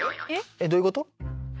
えっどういうこと？